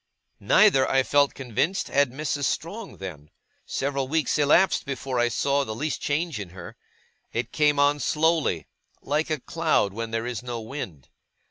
Neither, I felt convinced, had Mrs. Strong then. Several weeks elapsed before I saw the least change in her. It came on slowly, like a cloud when there is no wind.